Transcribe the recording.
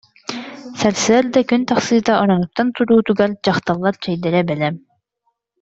Сарсыарда күн тахсыыта, оронуттан туруутугар дьахталлар чэйдэрэ бэлэм